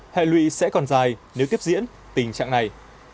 hệ lụy sẽ còn dài nếu tiếp diễn tình trạng này